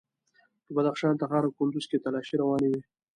په بدخشان، تخار او کندوز کې تالاشۍ روانې وې.